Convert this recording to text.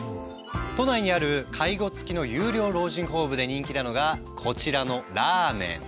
都内にある介護付きの有料老人ホームで人気なのがこちらのラーメン。